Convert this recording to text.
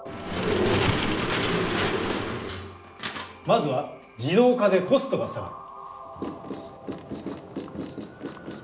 まずは「自動化」でコストが下がる。